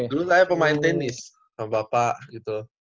dulu saya pemain tenis sama bapak gitu